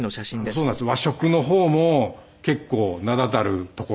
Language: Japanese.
そうなんですよ。